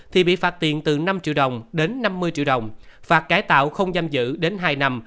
thì bị phạt tiền từ năm triệu đồng đến năm mươi triệu đồng phạt cải tạo không giam giữ đến hai năm